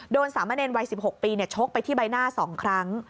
สามเณรวัย๑๖ปีชกไปที่ใบหน้า๒ครั้ง